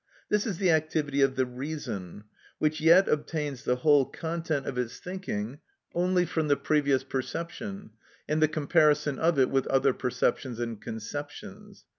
This is the activity of the reason, which yet obtains the whole content of its thinking only from the previous perception, and the comparison of it with other perceptions and conceptions.